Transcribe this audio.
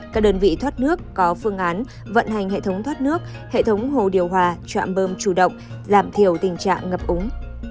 các đơn vị thoát nước có phương án vận hành hệ thống thoát nước hệ thống hồ điều hòa trạm bơm chủ động giảm thiểu tình trạng ngập úng